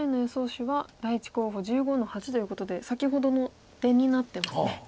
手は第１候補１５の八ということで先ほどの出になってますね。